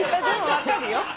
分かるよ。